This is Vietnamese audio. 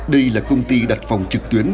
đây là công ty đặt phòng trực tuyến